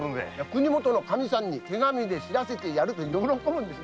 国元のカミさんに手紙で知らせると喜ぶんです。